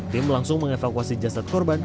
tim langsung mengevakuasi jasad korban